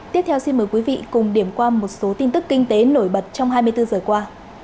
tiếp theo xin mời quý vị cùng điểm qua một số tin tức kinh tế nổi bật trong hai mươi bốn giờ qua